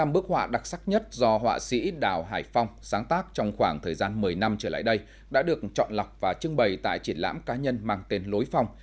năm bức họa đặc sắc nhất do họa sĩ đào hải phong sáng tác trong khoảng thời gian một mươi năm trở lại đây đã được chọn lọc và trưng bày tại triển lãm cá nhân mang tên lối phong